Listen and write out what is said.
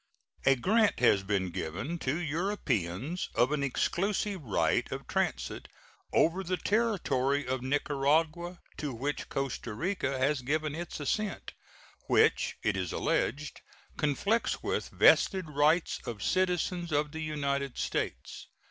A grant has been given to Europeans of an exclusive right of transit over the territory of Nicaragua, to which Costa Rica has given its assent, which, it is alleged, conflicts with vested rights of citizens of the United States.